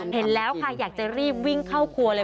เห็นแล้วค่ะอยากจะรีบวิ่งเข้าครัวเลย